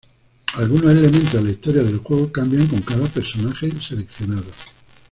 Algunos elementos de la historia del juego cambian con cada personaje seleccionado.